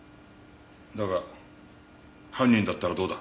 だが犯人だったらどうだ？